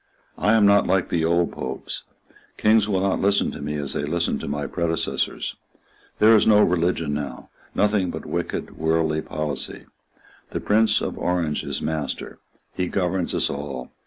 I am not like the old Popes. Kings will not listen to me as they listened to my predecessors. There is no religion now, nothing but wicked, worldly policy. The Prince of Orange is master. He governs us all.